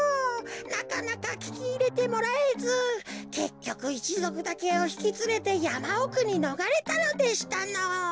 なかなかききいれてもらえずけっきょくいちぞくだけをひきつれてやまおくにのがれたのでしたのぉ。